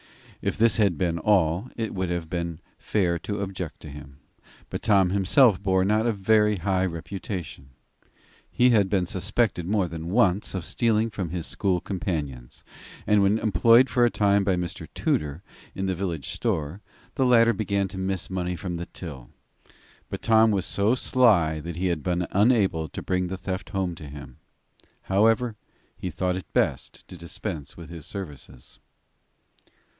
If this had been all, it would not have been fair to object to him, but Tom himself bore not a very high reputation. He had been suspected more than once of stealing from his school companions, and when employed for a time by Mr. Tudor, in the village store, the latter began to miss money from the till; but Tom was so sly that he had been unable to bring the theft home to him. However, he thought it best to dispense with his services.